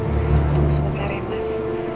tunggu sebentar ya mas